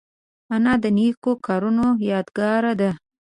انا د نیکو کارونو یادګار ده